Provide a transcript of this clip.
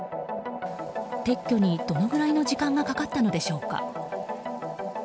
撤去にどのぐらいの時間がかかったのでしょうか。